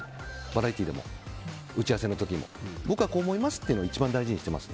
バラエティーでも打ち合わせの時にも僕はこう思いますっていうのを一番大事にしてます。